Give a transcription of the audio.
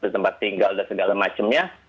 tempat tinggal dan segala macamnya